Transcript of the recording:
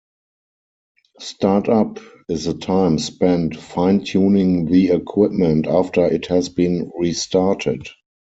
"Start-up" is the time spent fine tuning the equipment after it has been restarted.